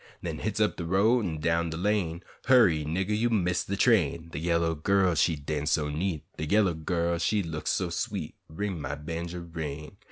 Den hits up de road an' down de lane, Hurry, niggah, you miss de train; De yaller gal she dawnce so neat, De yaller gal she look so sweet, Ring, my bawnjer, ring!